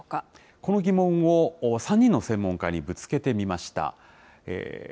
この疑問を３人の専門家にぶつけてみました。